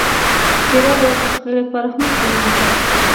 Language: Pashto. کېله د پخلي لپاره هم کارېږي.